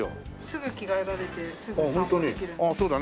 すぐ着替えられてすぐ散歩できるんで。